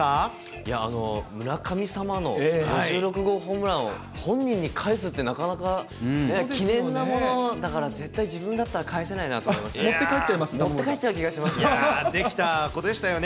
いや、村神様の５６号ホームランを本人に返すって、なかなか記念なものだから、絶対自分だったら、返せないなと思いましたね。